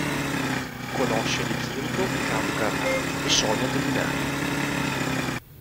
Conosce De Chirico e Carlo Carrà, e Sonia Delaunay.